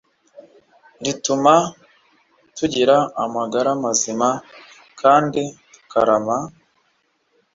rituma tugira amagara mazima kandi tukarama,